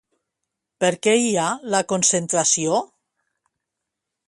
Per què hi ha la concentració?